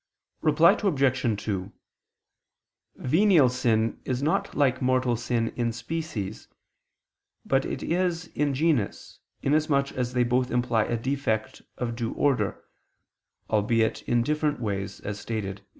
Reply Obj. 2: Venial sin is not like mortal sin in species; but it is in genus, inasmuch as they both imply a defect of due order, albeit in different ways, as stated (AA.